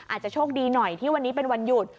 อาจจะโชคดีหน่อยที่วันนี้เป็นวันหยุด